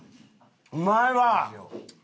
うまいわ！